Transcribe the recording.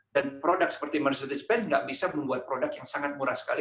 dan produk seperti mercedes benz tidak bisa membuat produk yang sangat murah sekali